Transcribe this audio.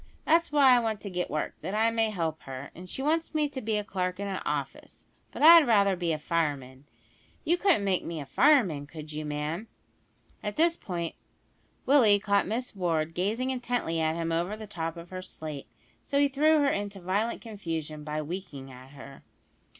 That's why I want to get work, that I may help her; and she wants me to be a clerk in a office, but I'd rather be a fireman. You couldn't make me a fireman, could you, ma'am?" At this point Willie caught Miss Ward gazing intently at him over the top of her slate, so he threw her into violent confusion by winking at her.